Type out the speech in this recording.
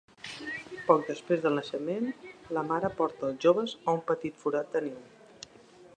Poc després del naixement, la mare porta els joves a un petit forat de niu.